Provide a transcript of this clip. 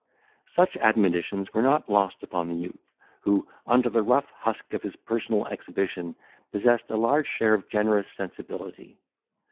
Such admonitions were not lost upon the youth, who, under the rough husk of his personal exhibition, possessed a large share of generous sensibility.